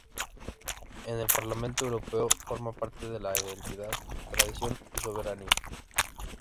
En el Parlamento Europeo forma parte de Identidad, Tradición y Soberanía.